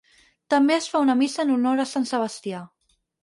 També es fa una missa en honor a Sant Sebastià.